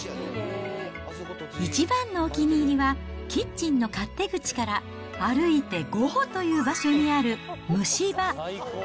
一番のお気に入りは、キッチンの勝手口から歩いて５歩という場所にある蒸し場。